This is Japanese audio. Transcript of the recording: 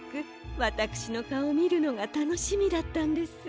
わたくしのかおをみるのがたのしみだったんです。